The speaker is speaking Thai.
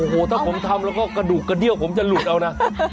โอ้โหถ้าผมทำแล้วก็กระดูกกระเดี้ยวผมจะหลุดเอานะ